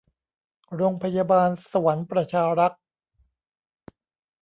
โรงพยาบาลสวรรค์ประชารักษ์